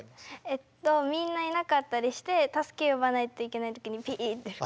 えっとみんないなかったりして助け呼ばないといけない時にピーッて吹く。